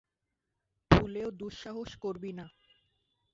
ভুলেও দুঃসাহস করবি না!